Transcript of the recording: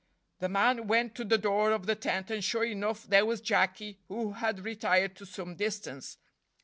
The man went to the door of the tent and sure enough there was Jacky, who had retired to some distance.